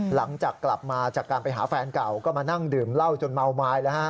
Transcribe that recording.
หลังจากกลับมาจากการไปหาแฟนเก่าก็มานั่งดื่มเหล้าจนเมาไม้แล้วฮะ